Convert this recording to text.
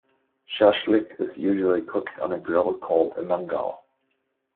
Shashlik is usually cooked on a grill called a "mangal".